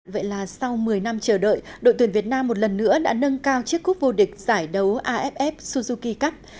vậy là sau một mươi năm chờ đợi đội tuyển việt nam một lần nữa đã nâng cao chiếc cúp vô địch giải đấu aff suzuki cup